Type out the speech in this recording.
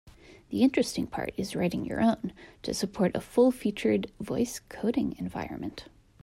The interesting part is writing your own to support a full-featured voice coding environment.